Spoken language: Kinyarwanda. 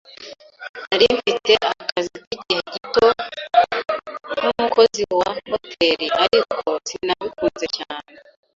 Nari mfite akazi k'igihe gito nk'umukozi wa hoteri, ariko sinabikunze cyane.